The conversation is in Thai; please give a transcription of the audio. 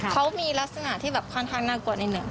เขามีลักษณะที่แบบค่อนข้างน่ากลัวนิดหนึ่ง